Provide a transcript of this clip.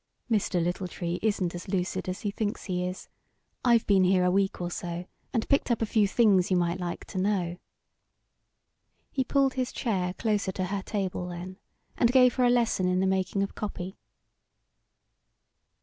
"Mr. Littletree isn't as lucid as he thinks he is. I've been here a week or so, and picked up a few things you might like to know." He pulled his chair closer to her table then and gave her a lesson in the making of copy.